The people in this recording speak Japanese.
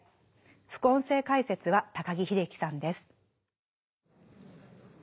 副音声解説は高木秀樹さんです。